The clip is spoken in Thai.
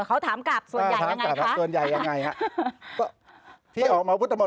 อ้าวเขาถามกับส่วนใหญ่ยังไงครับ